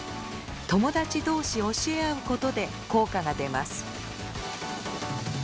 友達同士教え合うことで効果が出ます。